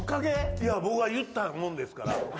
いや僕が言ったもんですから。